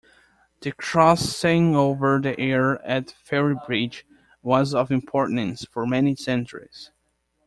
The crossing over the Aire at Ferrybridge was of importance for many centuries.